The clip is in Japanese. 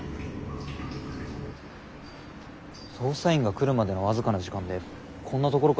捜査員が来るまでの僅かな時間でこんなところから逃げられるのかな。